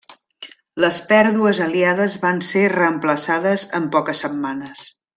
Les pèrdues aliades van ser reemplaçades en poques setmanes.